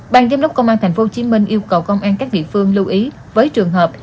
bàn giám đốc công an thành phố hồ chí minh yêu cầu công an các địa phương lưu ý với trường hợp